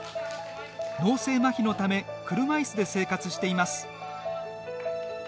脳性まひのため車いすで生活しています。